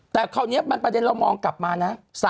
แต่คราวนี้ประเด็นเรามองกลับมานะ